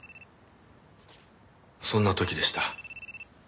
そんな時でした。